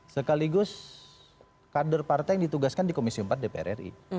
sekaligus kader partai yang ditugaskan di komisi empat dpr ri